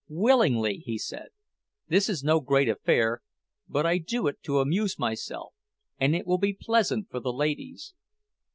"Willingly," he said. "This is no great affair, but I do it to amuse myself, and it will be pleasant for the ladies."